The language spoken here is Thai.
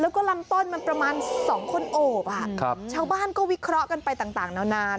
แล้วก็ลำต้นมันประมาณ๒คนโอบชาวบ้านก็วิเคราะห์กันไปต่างนาวนาน